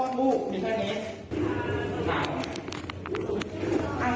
ไม่ได้มามาได้